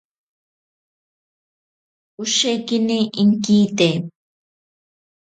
Oshekini inkite.